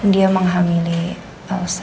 dia menghamili elsa